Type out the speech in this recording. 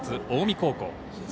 近江高校。